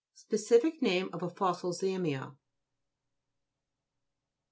Specific name of a fossil zamia (p.